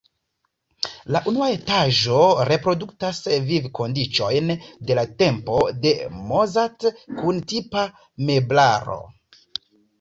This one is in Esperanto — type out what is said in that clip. La unua etaĝo reproduktas vivkondiĉojn de la tempo de Mozart kun tipa meblaro.